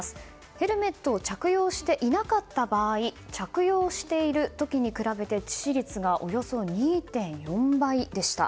ヘルメットを着用していなかった場合着用している時に比べて致死率がおよそ２．４倍でした。